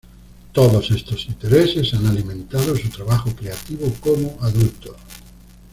Todos estos intereses han alimentado su trabajo creativo como adulto.